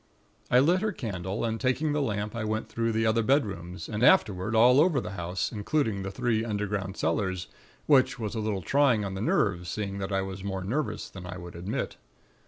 "I lit her candle, and taking the lamp, I went through the other bedrooms, and afterward all over the house, including the three underground cellars, which was a little trying to the nerves, seeing that I was more nervous than I would admit.